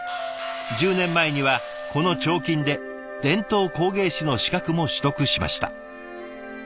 １０年前にはこの彫金で伝統工芸士の資格も取得しました。